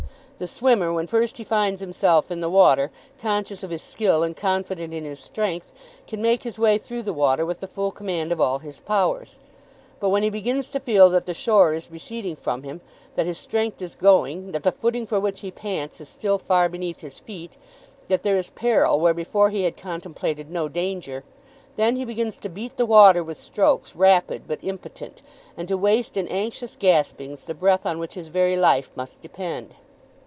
The swimmer when first he finds himself in the water, conscious of his skill and confident in his strength, can make his way through the water with the full command of all his powers. But when he begins to feel that the shore is receding from him, that his strength is going, that the footing for which he pants is still far beneath his feet, that there is peril where before he had contemplated no danger, then he begins to beat the water with strokes rapid but impotent, and to waste in anxious gaspings the breath on which his very life must depend.